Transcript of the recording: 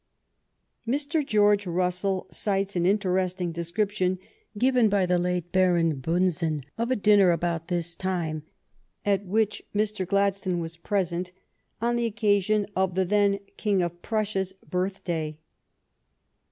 Mr. George Russell cites an interesting descrip tion given by the late Baron Bunsen of a dinner about this time, at which Mr. Gladstone was present, on the occasion of the then King of Prussia's birth day.